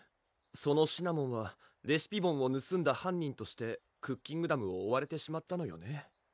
そのシナモンはレシピボンをぬすんだ犯人としてクッキングダムを追われてしまったのよね